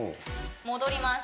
戻ります